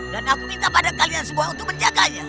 dan aku minta pada kalian semua untuk menjaganya